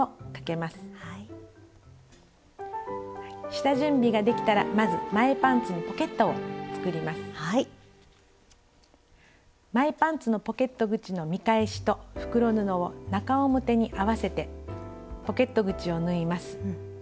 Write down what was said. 下準備ができたらまず前パンツのポケット口の見返しと袋布を中表に合わせてポケット口を縫います。